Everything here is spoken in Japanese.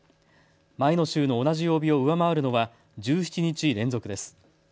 前の週の同じ曜日を上回るのは１７日連続です。